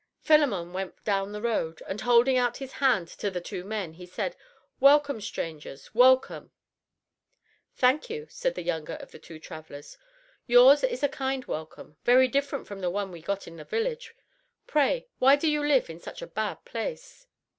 Philemon went down the road, and holding out his hand to the two men, he said, "Welcome, strangers, welcome." "Thank you," answered the younger of the two travelers. "Yours is a kind welcome, very different from the one we got in the village; pray why do you live in such a bad place?"